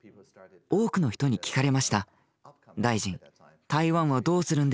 多くの人に聞かれました。